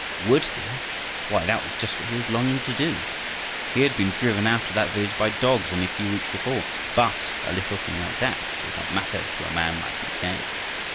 Would he? Why that was just what he was longing to do. He had been driven out of that village by dogs only a few weeks before, but a little thing like that did not matter to a man like Mackay.